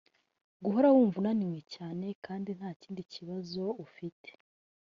Guhora wumva unaniwe cyane kandi nta kindi kibazo ufite